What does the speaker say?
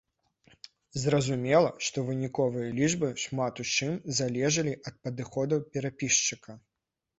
Зразумела, што выніковыя лічбы шмат у чым залежалі ад падыходаў перапісчыка.